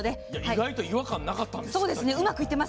意外と違和感がなかったんですよ。